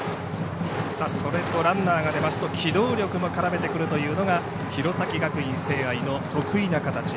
ランナーが出ますと、機動力も絡めてくるというのが弘前学院聖愛の得意な形。